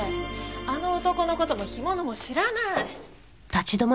あの男の事も干物も知らない！